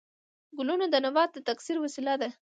ګلونه د نبات د تکثیر وسیله ده